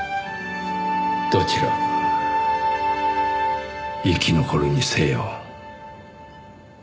どちらが生き残るにせよ。